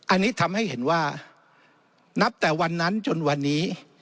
อันนี้ทำให้เห็นว่านับแต่วันนั้นจนวันนี้